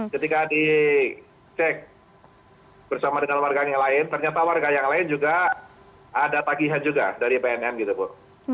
ketika di cek bersama dengan warga yang lain ternyata warga yang lain juga ada tagihan juga dari pnm gitu